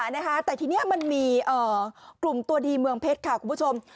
แต่ทีนี้มันมีกลุ่มตัวดีเมืองเพชรค่ะคุณผู้ชม